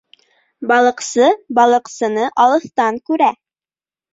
Балыҡсы балыҡсыны алыҫтан күрә.